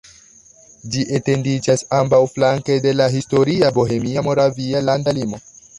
Ĝi etendiĝas ambaŭflanke de la historia bohemia-moravia landa limo.